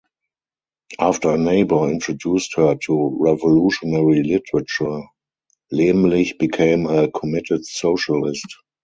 After a neighbor introduced her to revolutionary literature, Lemlich became a committed socialist.